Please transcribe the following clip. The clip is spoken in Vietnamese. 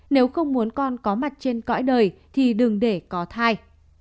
nếu không muốn con có mặt trên cõi đời thì đừng để có thai